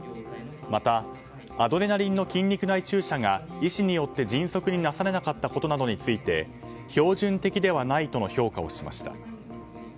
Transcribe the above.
また、アドレナリンの筋肉内注射が医師によって迅速になされなかったことなどについて標準的ではないとの評価をしました。